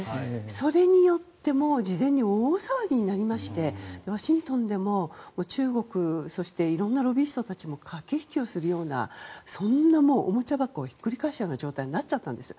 それによって事前に大騒ぎになりましてワシントンでも中国、そしていろんなロビイストたちも駆け引きをするようなそんなおもちゃ箱をひっくり返したような状態になっちゃったわけです。